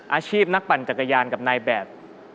อาชีพนักปั่นจักรยานกับนายแบบ